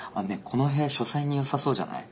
この部屋書斎によさそうじゃない？